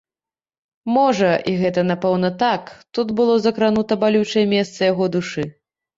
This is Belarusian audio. Можа, і гэта напэўна так, тут было закранута балючае месца яго душы.